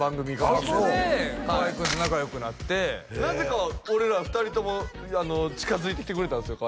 そこで河合君と仲良くなってなぜか俺ら２人とも近づいてきてくれたんですよ